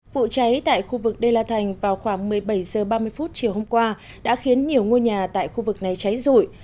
vụ cháy tại khu vực đê la thành vào khoảng một mươi bảy h ba mươi chiều hôm qua đã khiến nhiều ngôi nhà tại khu vực này cháy rụi